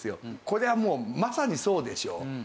これはもうまさにそうでしょ。